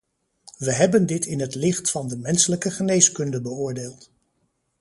We hebben dit in het licht van de menselijke geneeskunde beoordeeld.